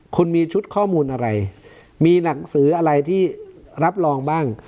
คุณมีชุดข้อมูลอะไรมีหนังสืออะไรที่รับรองบ้าง